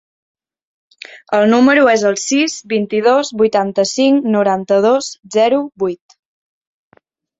El meu número es el sis, vint-i-dos, vuitanta-cinc, noranta-dos, zero, vuit.